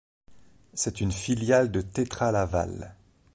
C’est une filiale de Tetra Laval.